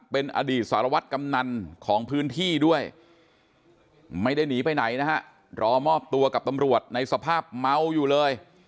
เป็นอดีตสารวัตรกำนันของพื้นที่ด้วยไม่ได้หนีไปไหนนะฮะรอมอบตัวกับตำรวจในสภาพเมาอยู่เลย